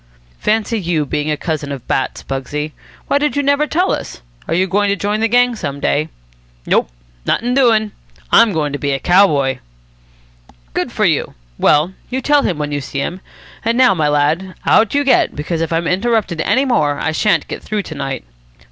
"Fancy you being a cousin of Bat's, Pugsy. Why did you never tell us? Are you going to join the gang some day?" "Nope. Nothin' doin'. I'm goin' to be a cow boy." "Good for you. Well, you tell him when you see him. And now, my lad, out you get, because if I'm interrupted any more I shan't get through to night."